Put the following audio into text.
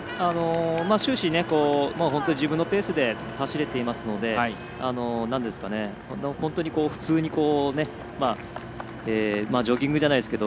終始、自分のペースで走れていますので本当に普通にジョギングじゃないですけど